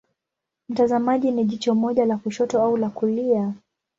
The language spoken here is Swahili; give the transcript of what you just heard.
Mtazamaji ni jicho moja la kushoto au la kulia.